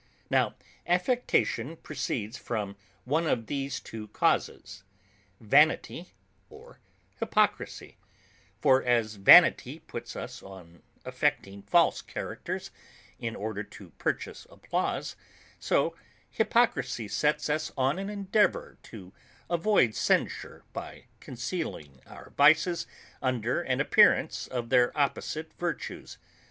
Now affectation proceeds from one of these two causes; vanity, or hypocrisy: for as vanity puts us on affecting false characters, in order to purchase applause; so hypocrisy sets us on an endeavour to avoid censure by concealing our vices under an appearance of their opposite virtues.